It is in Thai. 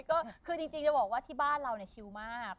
ก็คือจริงจะบอกว่าที่บ้านเราชิวมาก